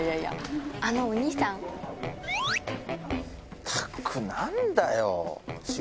ったく何だよ。